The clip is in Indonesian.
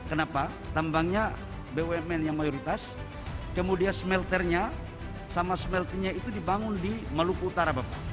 kenapa tambangnya bumn yang mayoritas kemudian smelternya sama smeltingnya itu dibangun di maluku utara bapak